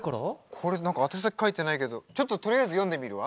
これ宛先書いてないけどちょっととりあえず読んでみるわ。